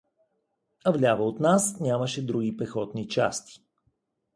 Вляво от нас нямаше други пехотни части.